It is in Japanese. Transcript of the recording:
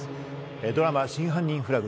ドラマ『真犯人フラグ』